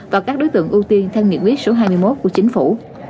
và các đối tượng ưu tiên theo nghị quyết số hai mươi một của chính phủ